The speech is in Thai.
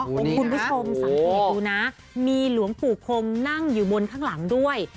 คุณผู้ชมสังเกตดูนะมีหลวงปู่คมนั่งอยู่บนข้างหลังด้วย